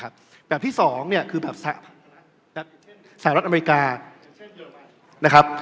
แบบที่สองคือแบบสหรัฐอเมริกา